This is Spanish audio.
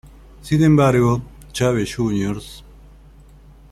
Sin embargo, Chávez Jr.